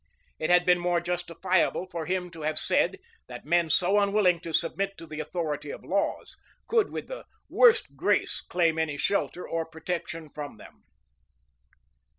It had been more justifiable for him to have said, that men so unwilling to submit to the authority of laws, could with the worst grace claim any shelter or protection from them.